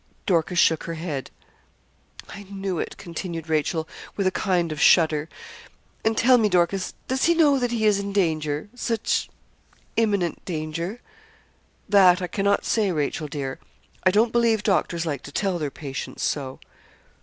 Dorcas shook her head. 'I knew it,' continued Rachel, with a kind of shudder. 'And tell me, Dorcas, does he know that he is in danger such imminent danger?' 'That I cannot say, Rachel, dear. I don't believe doctors like to tell their patients so.'